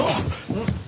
うん？